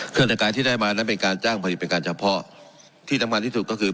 เครื่องแต่การที่ได้มานั้นเป็นการจ้างผลิตเป็นการเฉพาะที่ทำงานที่สุดก็คือ